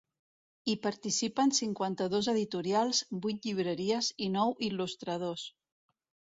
Hi participen cinquanta-dos editorials, vuit llibreries i nou il·lustradors.